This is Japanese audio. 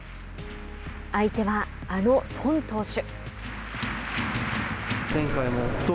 相手は、あの宋投手。